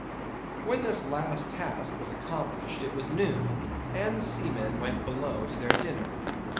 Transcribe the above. When this last task was accomplished it was noon, and the seamen went below to their dinner.